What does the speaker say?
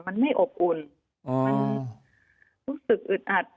มันไม่อบอุ่นมันรู้สึกอึดอัด